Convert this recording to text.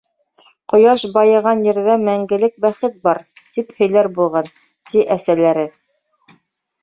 Ҡояш байыған ерҙә мәңгелек бәхет бар, тип һөйләр булған, ти, әсәләре.